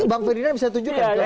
bang ferdinand bisa tunjukkan